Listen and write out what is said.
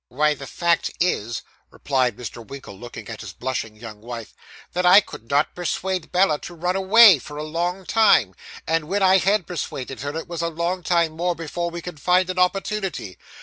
'Why the fact is,' replied Mr. Winkle, looking at his blushing young wife, 'that I could not persuade Bella to run away, for a long time. And when I had persuaded her, it was a long time more before we could find an opportunity.